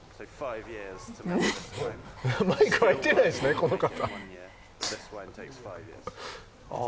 マイク、入ってないですね、この方。